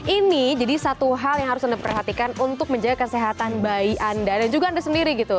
ini jadi satu hal yang harus anda perhatikan untuk menjaga kesehatan bayi anda dan juga anda sendiri gitu